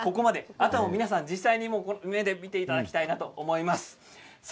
あとは皆さん実際に目で見ていただきたいなと思います。